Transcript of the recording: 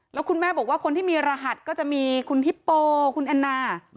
แล้วคุณแม่บอกว่าคนที่มีรหัสก็จะมีคุณฮิปโปคุณแอนนา